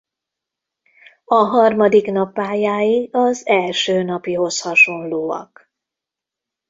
A harmadik nap pályái az első napihoz hasonlóak.